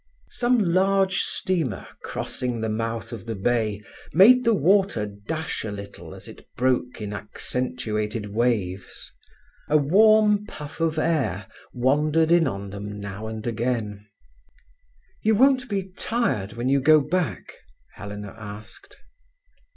Some large steamer crossing the mouth of the bay made the water dash a little as it broke in accentuated waves. A warm puff of air wandered in on them now and again. "You won't be tired when you go back?" Helena asked.